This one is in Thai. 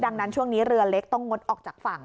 ดังนั้นช่วงนี้เรือเล็กต้องงดออกจากฝั่ง